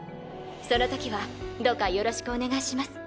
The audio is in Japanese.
その時はどうかよろしくお願いします。